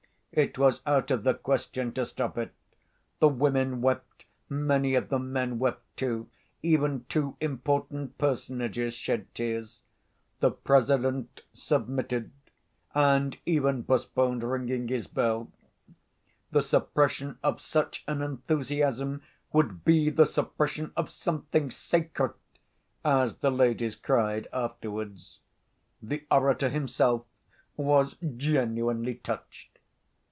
It was out of the question to stop it: the women wept, many of the men wept too, even two important personages shed tears. The President submitted, and even postponed ringing his bell. The suppression of such an enthusiasm would be the suppression of something sacred, as the ladies cried afterwards. The orator himself was genuinely touched.